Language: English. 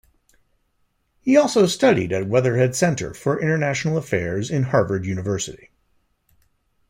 He also studied at Weatherhead Center for International Affairs in Harvard University.